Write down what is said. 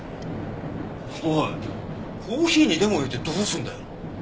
おいコーヒーにレモン入れてどうするんだよ？